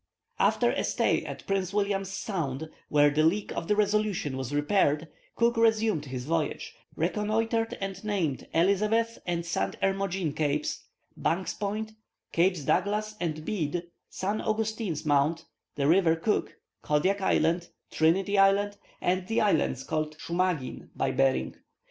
] After a stay at Prince William's Sound, where the leak of the Resolution was repaired, Cook resumed his voyage, reconnoitred and named Elizabeth and Saint Hermogene Capes, Bank's Point, Capes Douglas and Bede, Saint Augustine's Mount, the River Cook, Kodiak Island, Trinity Island, and the islands called Schumagin by Behring.